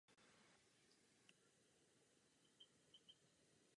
Kazimíra k úpadku Polska.